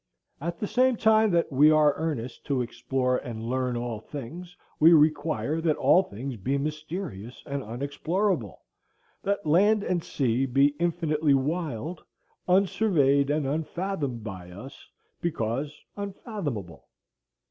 At the same time that we are earnest to explore and learn all things, we require that all things be mysterious and unexplorable, that land and sea be infinitely wild, unsurveyed and unfathomed by us because unfathomable.